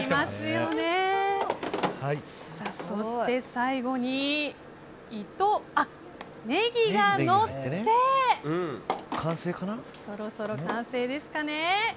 最後にネギがのってそろそろ完成ですかね。